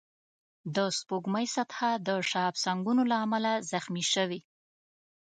د سپوږمۍ سطحه د شهابسنگونو له امله زخمي شوې